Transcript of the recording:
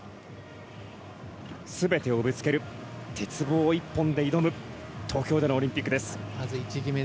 全てをぶつける、鉄棒一本で挑む東京でのオリンピックです。